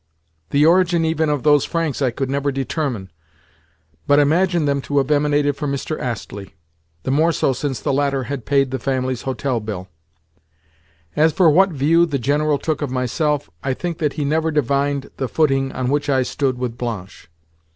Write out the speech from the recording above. The origin even of those francs I could never determine, but imagined them to have emanated from Mr. Astley—the more so since the latter had paid the family's hotel bill. As for what view the General took of myself, I think that he never divined the footing on which I stood with Blanche.